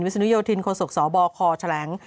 วิศนุยศิลป์โศกศบคแฉลง